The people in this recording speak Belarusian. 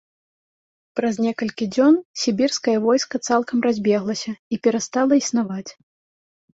Праз некалькі дзён, сібірскае войска цалкам разбеглася і перастала існаваць.